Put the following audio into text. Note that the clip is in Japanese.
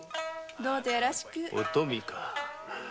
どうぞよろしく。